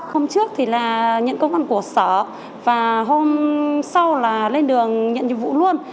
hôm trước thì là nhận công văn của sở và hôm sau là lên đường nhận nhiệm vụ luôn